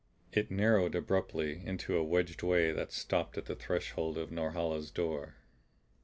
It narrowed abruptly into a wedged way that stopped at the threshold of Norhala's door.